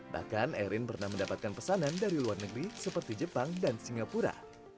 bahkan erin pernah mendapatkan pesanan dari luar negeri seperti jepang dan singapura